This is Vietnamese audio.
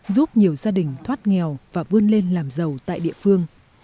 giúp nhiều gia đình thoát nghèo và vươn lên làm giàu tại địa phương